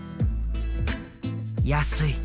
「安い。